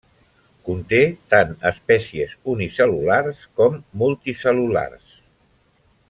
Conté tant espècies unicel·lulars com multicel·lulars.